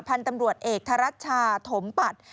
พันธุ์ตำรวจเอกธรัชชาถมปัตย์